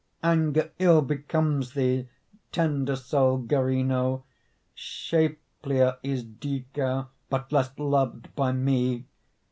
Anger ill becomes thee, Tender souled Gyrinno, Shapelier is Dica But less loved by me.